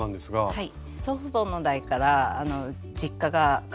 はい。